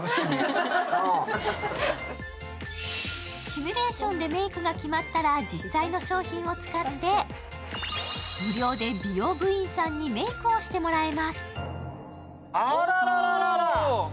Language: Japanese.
シミュレーションでメイクが決まったら実際の商品を使って無料で美容部員さんにメイクをしてもらえます。